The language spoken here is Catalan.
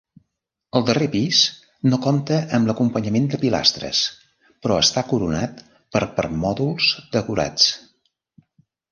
El darrer pis no compta amb l'acompanyament de pilastres però està coronat per permòdols decorats.